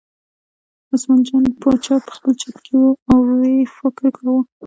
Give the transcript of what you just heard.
عثمان جان باچا په خپل چورت کې و او یې فکر کاوه.